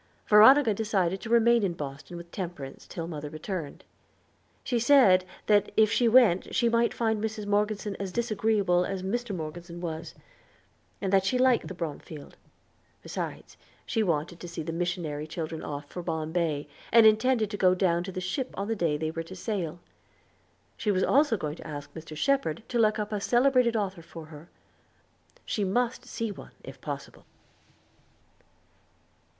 Veronica decided to remain in Boston with Temperance till mother returned. She said that if she went she might find Mrs. Morgeson as disagreeable as Mr. Morgeson was; that she liked the Bromfield; besides, she wanted to see the missionary children off for Bombay, and intended to go down to the ship on the day they were to sail. She was also going to ask Mr. Shepherd to look up a celebrated author for her. She must see one if possible.